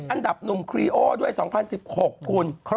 อันดับหนุ่มครีโอด้วย๒๐๑๖คุณ